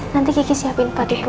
nanti kiki siapin buat ibu